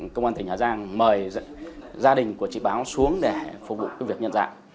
công an tỉnh hà giang mời gia đình của chị báo xuống để phục vụ việc nhận dạng